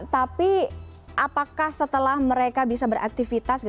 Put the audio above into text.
tapi apakah setelah mereka bisa beraktivitas